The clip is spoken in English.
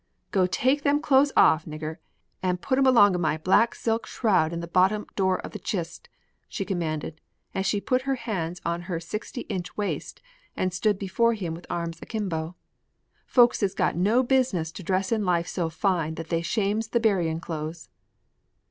"Go take them clothes off, nigger, and put 'em along of my black silk shroud in the bottom drawer of the chist," she commanded, as she put her hands on her sixty inch waist and stood before him with arms akimbo. "Folks is got no business to dress in life so fine that they shames they burying clothes."